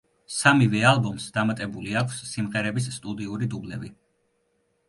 სამივე ალბომს დამატებული აქვს სიმღერების სტუდიური დუბლები.